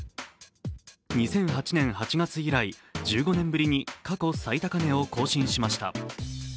２００８年８月以来、１５年ぶりに過去最高値を更新しました。